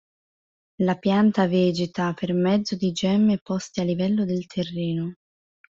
La pianta vegeta per mezzo di gemme poste a livello del terreno.